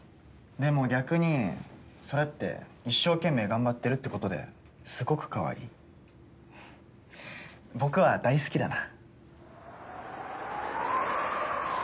でも逆にそれって一生懸命頑張ってるってことですごくかわいい僕は大好きだな